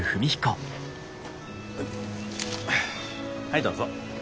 はいどうぞ。